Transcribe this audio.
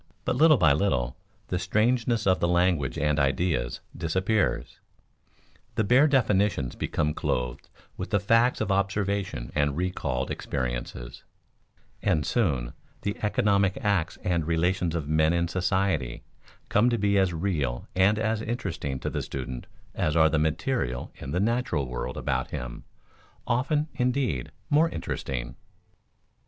But little by little the strangeness of the language and ideas disappears; the bare definitions become clothed with the facts of observation and recalled experiences; and soon the "economic" acts and relations of men in society come to be as real and as interesting to the student as are the materials in the natural world about him often, indeed, more interesting.